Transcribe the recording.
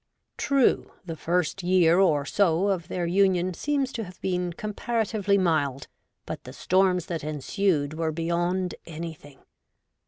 True, the first year or so of their union seems to have been comparatively mild, but the storms that ensued were beyond any thing.